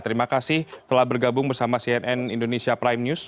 terima kasih telah bergabung bersama cnn indonesia prime news